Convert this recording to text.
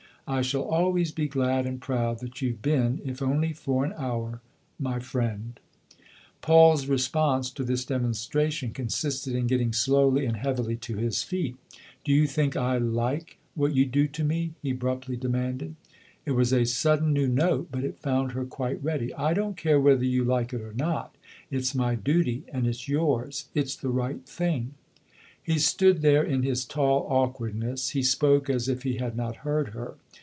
" I shall always be glad and proud that you've been, if only for an hour, my friend !" Paul's response to this demonstration consisted in getting slowly and heavily to his feet. "Do you THE OTHER HOUSE 141 think I like what you do to me ?" he abruptly demanded. It was a sudden new note, but it found her quite ready. " I don't care whether you like it or not ! It's my duty, and it's yours it's the right thing." He stood there in his tall awkwardness ; he spoke as if he had not heard her.